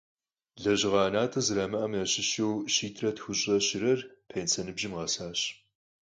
Лэжьыгъэ ӏэнатӏэ зэрамыӏэм ящыщу щитӏрэ тхущӏрэ щырэр пенсэ ныбжьым къэсащ.